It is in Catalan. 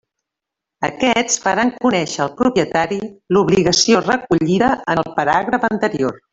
Aquests faran conéixer al propietari l'obligació recollida en el paràgraf anterior.